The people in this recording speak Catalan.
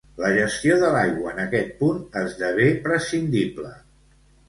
La gestió de l'aigua, en aquest punt, esdevé prescindible.